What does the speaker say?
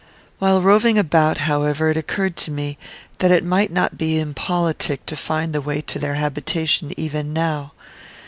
While roving about, however, it occurred to me, that it might not be impolitic to find the way to their habitation even now.